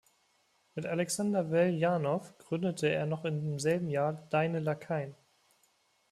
Mit Alexander Veljanov gründete er noch im selben Jahr "Deine Lakaien".